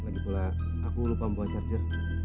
lagipula aku lupa membuang charger